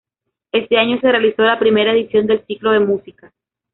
Este año se realizó la primera edición del ciclo de música.